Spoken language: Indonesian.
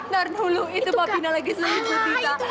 nanti dulu itu papi nak lagi selipu kita